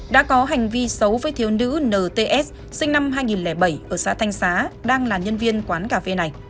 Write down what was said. đã có hành vi xấu với thiếu nữ nts sinh năm hai nghìn bảy ở xã thanh xá đang là nhân viên quán cà phê này